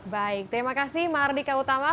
baik terima kasih mardika utama